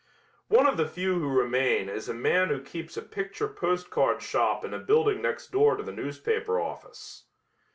One of the few who remain is a man who keeps a picture postcard shop in a building next door to the newspaper office.